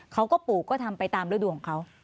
เขาก็ปลูกก็ทำไปตามเรื่องดูของเขา